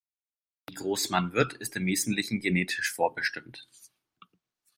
Wie groß man wird, ist im Wesentlichen genetisch vorbestimmt.